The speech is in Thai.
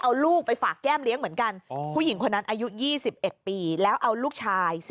เอาลูกไปฝากแก้มเลี้ยงเหมือนกันผู้หญิงคนนั้นอายุ๒๑ปีแล้วเอาลูกชาย